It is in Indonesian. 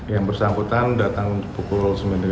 yang bersangkutan datang pukul sembilan tiga puluh